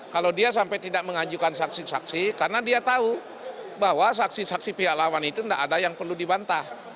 kalau dia sampai tidak mengajukan saksi saksi karena dia tahu bahwa saksi saksi pihak lawan itu tidak ada yang perlu dibantah